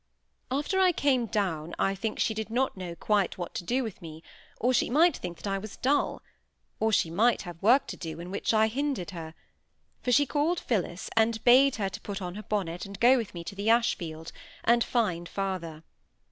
After I came down, I think she did not quite know what to do with me; or she might think that I was dull; or she might have work to do in which I hindered her; for she called Phillis, and bade her put on her bonnet, and go with me to the Ashfield, and find father.